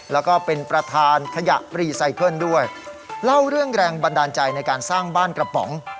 แล้วก็เป็นประธานขยะรีไซเคิลด้วยเล่าเรื่องแรงบันดาลใจในการสร้างบ้านกระป๋อง